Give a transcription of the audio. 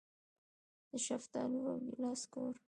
د شفتالو او ګیلاس کور.